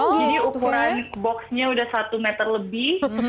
jadi ukuran boxnya udah satu meter lebih